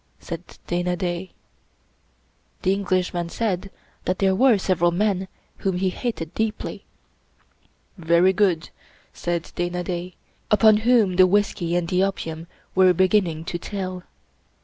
said Dana Da. The Englishman said that there were several men whom he hated deeply. "Very good," said Dana Da, upon whom the whisky and the opium were beginning to tell.